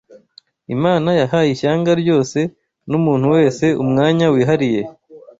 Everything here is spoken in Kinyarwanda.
Imana yahaye ishyanga ryose n’umuntu wese umwanya wihariye